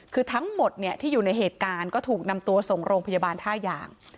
คือทั้งหมดที่อยู่ในเหตุการณ์ก็ถูกนำตัวส่งโรงพยาบาลท่ายาง